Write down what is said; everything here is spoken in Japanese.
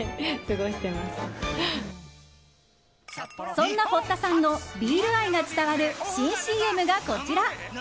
そんな堀田さんのビール愛が伝わる新ＣＭがこちら。